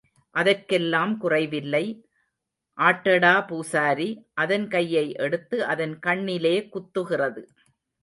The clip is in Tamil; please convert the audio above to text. அதற்கெல்லாம் குறைவில்லை, ஆட்டடா பூசாரி, அதன் கையை எடுத்து அதன் கண்ணிலே குத்துகிறது.